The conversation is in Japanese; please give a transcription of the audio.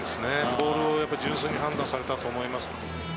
ボールを純粋に判断されたと思います。